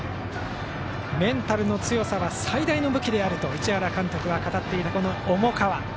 メンタルの強さは最大の武器であると市原監督が語っていた重川。